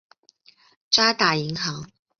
渣打银行。